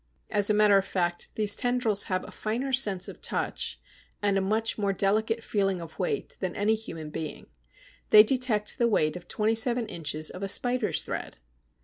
As a matter of fact, these tendrils have a finer sense of touch and a much more delicate feeling of weight than any human being. They detect the weight of twenty seven inches of a spider's thread.